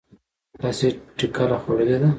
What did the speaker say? تاسې ټکله خوړلې ده؟